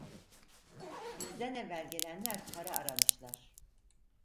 Bizden evvel gelenler para aramışlar…